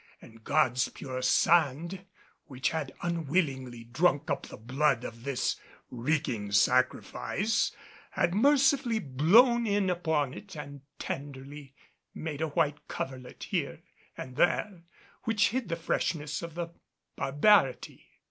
And God's pure sand, which had unwillingly drunk up the blood of this reeking sacrifice, had mercifully blown in upon it and tenderly made a white coverlet here and there which hid the freshness of the barbarity.